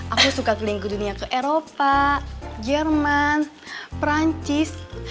aku suka keliling dunia ke eropa jerman prancis